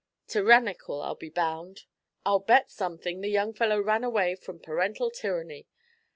Tyrannical, I'll be bound. I'll bet something the young fellow ran away from parental tyranny.